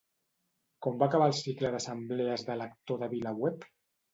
Com va acabar el cicle d'assemblees de lector de VilaWeb?